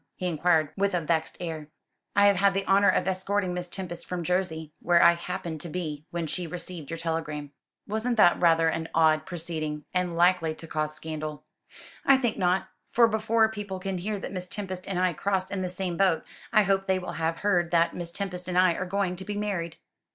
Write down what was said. he inquired, with a vexed air. "I have had the honour of escorting Miss Tempest from Jersey, where I happened to be when she received your telegram." "Wasn't that rather an odd proceeding, and likely to cause scandal?" "I think not; for before people can hear that Miss Tempest and I crossed in the same boat I hope they will have heard that Miss Tempest and I are going to be married."